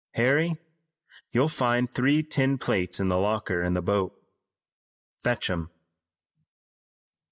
Harry, you'll find three tin plates in the locker in the boat. Fetch 'em."